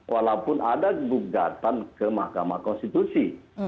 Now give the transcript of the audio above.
walaupun ada gugatan ke mahkamah konstitusi